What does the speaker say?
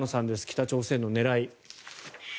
北朝鮮の狙い。